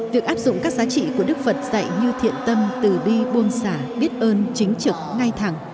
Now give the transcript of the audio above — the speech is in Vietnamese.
việc áp dụng các giá trị của đức phật dạy như thiện tâm từ đi buông xả biết ơn chính trực ngay thẳng